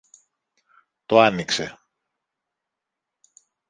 το άνοιξε